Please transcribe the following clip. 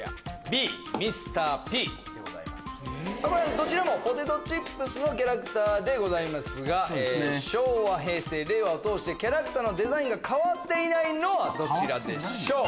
どちらもポテトチップのキャラクターでございますが昭和平成令和を通してキャラクターのデザインが変わっていないのはどちらでしょう？